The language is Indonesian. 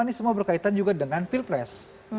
ini semua berkaitan juga dengan pilpres